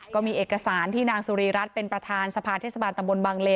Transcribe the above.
ก็มีเอกสารที่นางสุรีรัฐเป็นประธานสภาเทศบาลตำบลบังเล